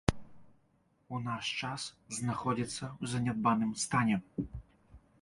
У наш час знаходзіцца ў занядбаным стане.